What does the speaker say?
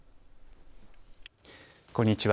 こんにちは。